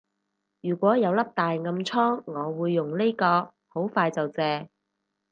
如果有粒大暗瘡我會用呢個，好快就謝